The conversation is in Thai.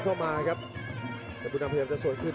ถ่ายมาอย่างสุด